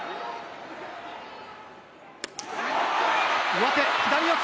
上手左四つ。